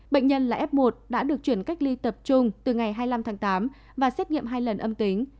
bệnh nhân là f một đã được chuyển cách ly tập trung từ ngày hai mươi năm tháng tám và xét nghiệm hai lần âm tính